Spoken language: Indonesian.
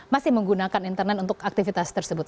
masih menggunakan internet untuk aktivitas tersebut